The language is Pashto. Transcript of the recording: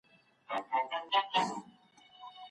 اقتصادي پوهان د معیشت په اړه څېړنې ترسره کوي.